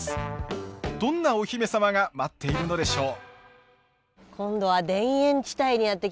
どんなお姫様が待っているのでしょう。